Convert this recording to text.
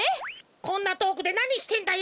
こんなとおくでなにしてんだよ？